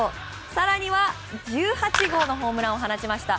更には１８号ホームランを放ちました。